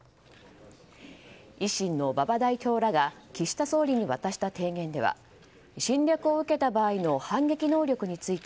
維新の馬場代表らが岸田総理に渡した提言では侵略を受けた場合の反撃能力について